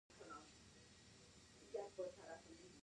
په افغانستان کې هلمند سیند د خلکو له اعتقاداتو سره تړاو لري.